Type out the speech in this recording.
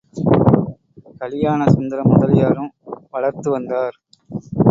கலியாணசுந்தரமுதலியாரும் வளர்த்து வந்தார்.